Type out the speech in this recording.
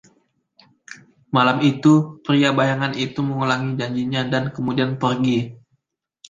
Malam itu, pria bayangan itu mengulangi janjinya dan kemudian pergi.